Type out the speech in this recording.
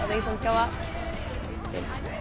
はい。